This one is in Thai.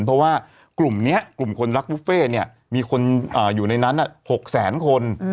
เพราะว่ากลุ่มนี้กลุ่มคนรักบุฟเฟ่มีคนอยู่ในนั้น๖แสนคน